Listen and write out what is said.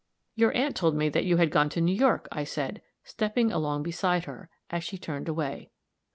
"Your aunt told me that you had gone to New York," I said, stepping along beside her, as she turned away.